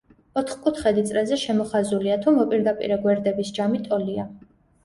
ოთხკუთხედი წრეზე შემოხაზულია, თუ მოპირდაპირე გვერდების ჯამი ტოლია.